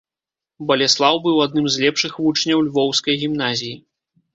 Балеслаў быў адным з лепшых вучняў львоўскай гімназіі.